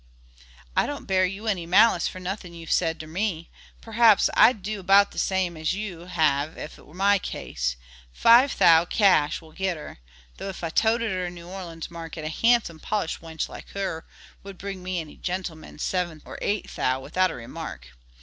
"I don't bear you any malice for nothing you've said ter me; perhaps I'd do about the same as you have ef it was my case. Five thou, cash, will git her, though ef I toted her to New Orleans market, a handsome polished wench like her would bring me any gentleman's seven or eight thou, without a remark.